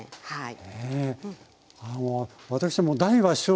はい。